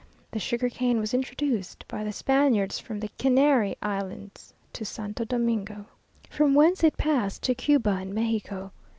The sugar cane was introduced by the Spaniards from the Canary Islands to Santo Domingo, from whence it passed to Cuba and Mexico.